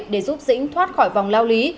để giúp dĩnh thoát khỏi vòng lao lý